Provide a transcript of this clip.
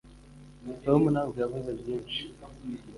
tom ntabwo yavuze byinshi